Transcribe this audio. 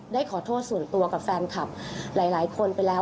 ได้ขอโทษส่วนตัวกับแฟนคลับหลายคนไปแล้ว